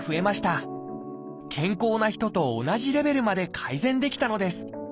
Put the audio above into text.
健康な人と同じレベルまで改善できたのです。